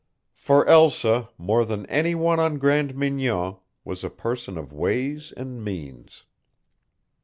For Elsa, more than any one on Grande Mignon, was a person of ways and means.